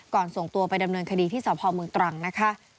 ก่อนส่งตัวไปดำเนินคดีที่สมตรังนะคะ